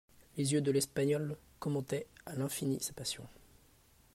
Les yeux de l'Espagnole commentaient à l'infini sa passion.